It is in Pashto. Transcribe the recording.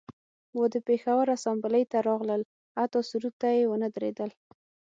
و د پیښور اسامبلۍ ته راغلل حتی سرود ته یې ونه دریدل